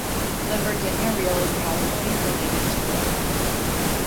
The Virginia Reel is probably related to it.